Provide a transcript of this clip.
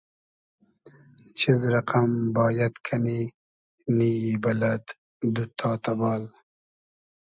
چیز رئقئم بایئد کئنی, نییی بئلئد, دوتتا تئبال